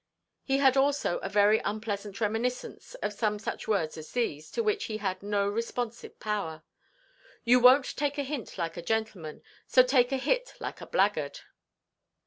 He had also a very unpleasant reminiscence of some such words as these, to which he had no responsive power—"You wonʼt take a hint like a gentleman; so take a hit like a blackguard."